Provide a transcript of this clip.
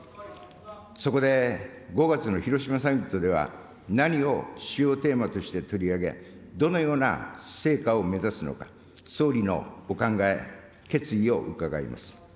そこで５月の広島サミットでは何を主要テーマとして取り上げ、どのような成果を目指すのか、総理のお考え、決意を伺います。